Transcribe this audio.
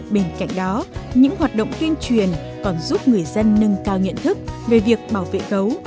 bên cạnh đó những hoạt động tuyên truyền còn giúp người dân nâng cao nhận thức về việc bảo vệ gấu